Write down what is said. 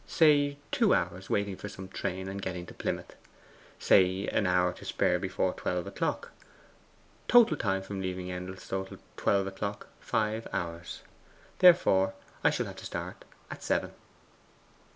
'Say two hours waiting for some train and getting to Plymouth. 'Say an hour to spare before twelve o'clock. 'Total time from leaving Endelstow till twelve o'clock, five hours. 'Therefore I shall have to start at seven.